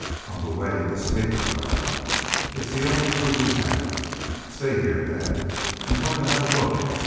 On the way this paper fell out. It's the only clue we have. Stay here, dad. I'm going to have a look."